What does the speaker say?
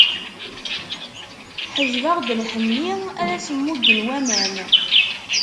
Ḥejbeɣ-d lḥenni, ad as-muggen waman.